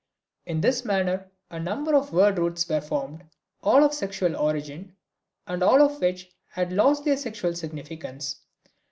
In this manner a number of word roots were formed, all of sexual origin, and all of which had lost their sexual significance.